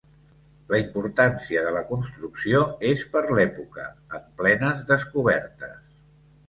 La importància de la construcció és per l'època: en plenes descobertes.